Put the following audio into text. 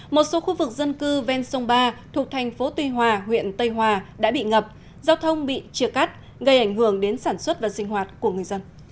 một số khu vực dân cư ven sông ba thuộc thành phố tuy hòa huyện tây hòa đã bị ngập giao thông bị chia cắt gây ảnh hưởng đến sản xuất và sinh hoạt của người dân